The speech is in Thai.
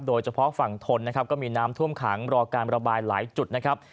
โดยเฉพาะฝั่งทนนะครับก็มีน้ำท่วมขังรอการระบายหลายจุดนะครับ